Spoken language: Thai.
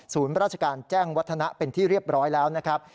ราชการแจ้งวัฒนะเป็นที่เรียบร้อยแล้วนะครับ